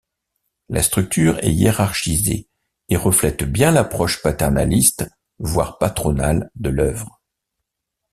La structure est hiérarchisée et reflète bien l'approche paternaliste, voir patronale de l'Œuvre.